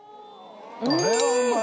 これはうまい。